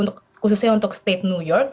khususnya untuk state new york